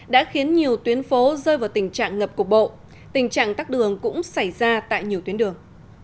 đã khiến nhiều tuyến phố rơi vào tình trạng ngập cục bộ tình trạng tắt đường cũng xảy ra tại nhiều tuyến đường